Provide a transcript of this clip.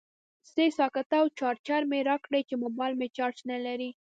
سه ساکټه او چارجر مې راکړئ چې موبایل مې چارج نلري